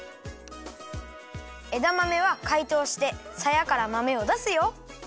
えだまめはかいとうしてさやからまめをだすよ。